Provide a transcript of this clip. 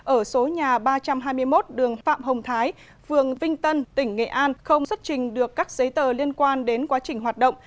ở số nhà ba trăm hai mươi một đường phạm hồng thái phường vinh tân tỉnh nghệ an không xuất trình được các giấy tờ liên quan đến quá trình hoạt động